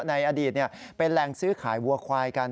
ในอดีตเป็นแหล่งซื้อขายวัวควายกัน